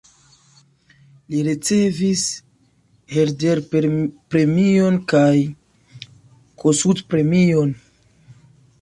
Li ricevis Herder-premion kaj Kossuth-premion.